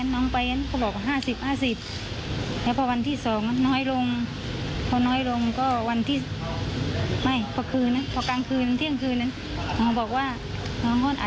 หมอบอกว่าน้องฮ่อนอัดอยู่ไม่ถึงเที่ยงคืนน่ะ